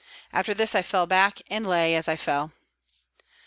After this I fell back and lay as I fell.